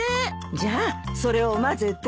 じゃあそれを混ぜて。